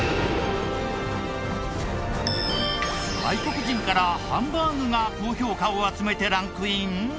外国人からハンバーグが高評価を集めてランクイン。